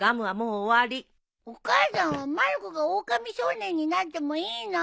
お母さんはまる子がおおかみ少年になってもいいの？